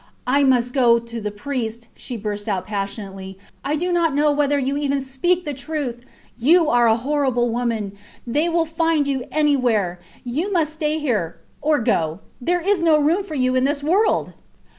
I must go to the priest, she burst out passionately. I do not know whether you even speak the truth! You are a horrible woman. They will find you anywhere. You may stay here or go. There is no room for you in this world.